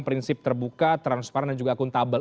prinsip terbuka transparan dan juga akuntabel